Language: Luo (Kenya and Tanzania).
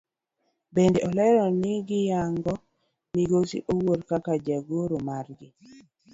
Bende olero ni gin giyango migosi Owuor kaka jagoro margi.